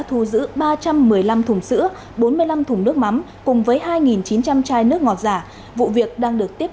thu giữ ba trăm một mươi năm thùng sữa bốn mươi năm thùng nước mắm cùng với hai chín trăm linh chai nước ngọt giả vụ việc đang được tiếp